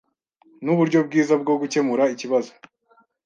Nuburyo bwiza bwo gukemura ikibazo.